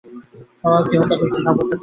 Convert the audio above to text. স্বভাবকেই হত্যা করেছি, সব হত্যার চেয়ে পাপ।